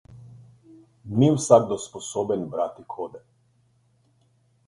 Ni vsakdo sposoben brati kode.